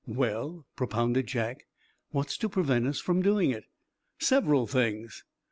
"Well," propounded Jack, "what's to prevent us from doing it?" "Several things.